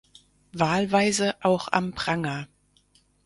Wahlweise auch am Pranger.